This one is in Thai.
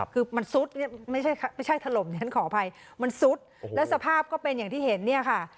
คือมันซุดไม่ใช่ถล่มฉันขออภัยมันซุดแล้วสภาพก็เป็นอย่างที่เห็นเนี่ยค่ะ